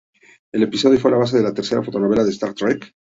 El episodio fue la base de la tercera fotonovela de "Star Trek".